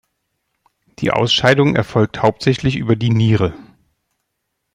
Die Ausscheidung erfolgt hauptsächlich über die Niere.